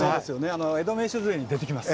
「江戸名所図会」に出てきます。